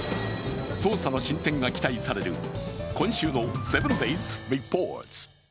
捜査の進展が期待される今週の「７ｄａｙｓリポート」。